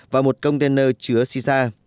và một container chứa sisa